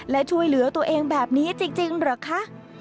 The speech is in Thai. และช่วยเหลือตัวเองแบบนี้จริงเหรอคะ